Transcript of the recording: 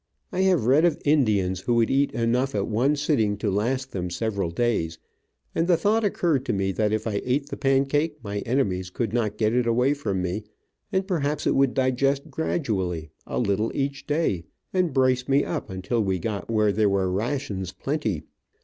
I have read of Indians who would eat enough at one sitting to last them several days, and the thought occurred to me that if I ate the pancake my enemies could not get it away from me, and perhaps it would digest gradually, a little each day, and brace me up until we got where there were rations plenty.